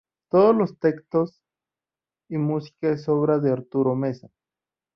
Todos los textos y música es obra de Arturo Meza.